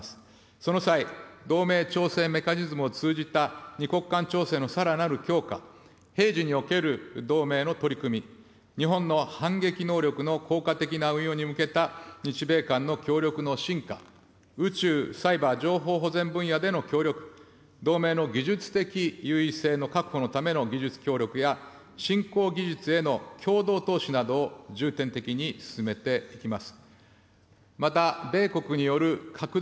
その際、同盟調整メカニズムを通じた２国間調整のさらなる強化、平時における同盟の取り組み、日本の反撃能力の効果的な運用に向けた日米間の協力の深化、宇宙・サイバー・情報保全分野での協力、同盟の技術的優位性の確保のための技術協力や、新興技術への共同投資などを重点的に進めていきます。